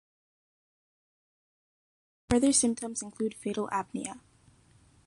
Further symptoms include fatal apnea.